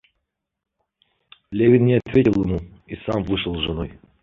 Левин не ответил ему и сам вышел с женой.